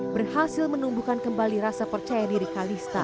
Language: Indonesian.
berhasil menumbuhkan kembali rasa percaya diri kalista